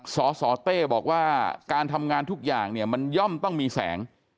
สสเต้บอกว่าการทำงานทุกอย่างเนี่ยมันย่อมต้องมีแสง